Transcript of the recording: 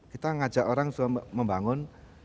kita mengajak orang membangun